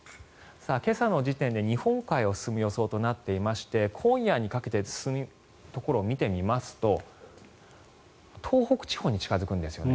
今朝の時点で日本海を進む予想となっていまして今夜にかけて進むところを見てみますと東北地方に近付くんですよね。